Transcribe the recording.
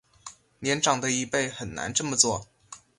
年长的一辈很难这么做